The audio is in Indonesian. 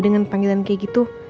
dengan panggilan kayak gitu